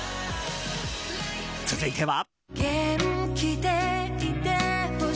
続いては。